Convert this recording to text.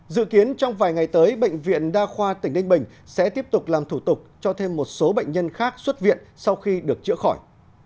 dự kiến trong vài ngày tới bệnh viện đa khoa tỉnh ninh bình sẽ tiếp tục làm thủ tục cho thêm một số bệnh nhân khác xuất viện sau khi được chữa khỏi